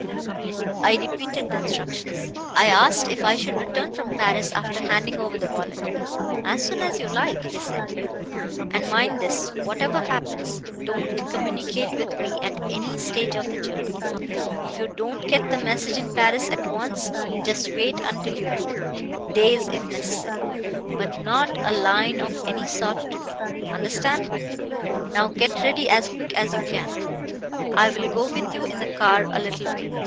"I repeated the instructions. I asked if I should return from Paris after handing over the wallet. 'As soon as you like,' he said. 'And mind this whatever happens, don't communicate with me at any stage of the journey. If you don't get the message in Paris at once, just wait until you do days, if necessary. But not a line of any sort to me. Understand? Now get ready as quick as you can. I'll go with you in the car a little way.